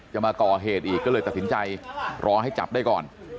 มาก่อเหตุอีกก็เลยตัดสินใจรอให้จับได้ก่อน